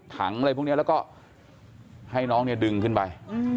อะไรพวกนี้แล้วก็ให้น้องเนี่ยดึงขึ้นไป